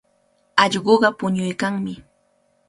Allquqa puñuykanmi.